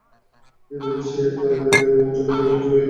এই ভেবে সে এক তরবারি নিয়ে উযযার গলায় ঝুলিয়ে দেয়।